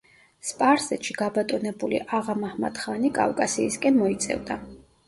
სპარსეთში გაბატონებული აღა–მაჰმად–ხანი, კავკასიისკენ მოიწევდა.